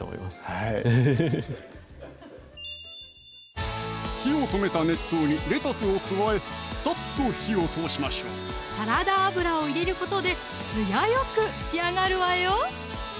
はい火を止めた熱湯にレタスを加えサッと火を通しましょうサラダ油を入れることでツヤよく仕上がるわよ！